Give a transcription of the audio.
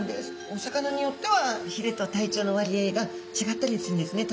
お魚によってはひれと体長の割合が違ったりするんですね。